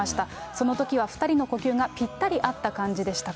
そのときは２人の呼吸がぴったり合った感じでしたと。